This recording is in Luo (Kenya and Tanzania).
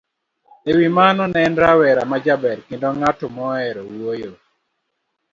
E wi mano, ne en rawera ma jaber kendo ng'at mohero wuoyo